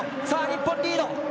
さあ、日本、リード。